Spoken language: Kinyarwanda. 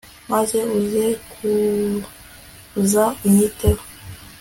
Maze uze kuza Unyiteho